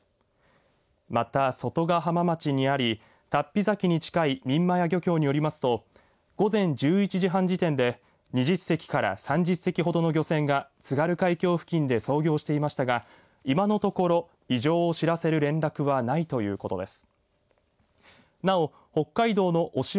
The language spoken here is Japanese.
また、外ケ浜町にあり龍飛崎に近い三厩下漁協によりますと午前１１時半時点で２０隻から３０隻ほどの漁船が津軽海峡付近で操業していましたが今のところ異常を知らせる連絡はないということです。